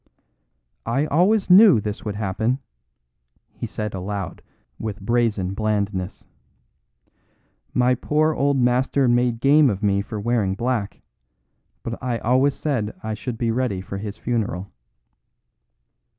"I always knew this would happen," he said aloud with brazen blandness. "My poor old master made game of me for wearing black; but I always said I should be ready for his funeral."